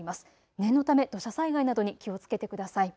念のため土砂災害などに気をつけてください。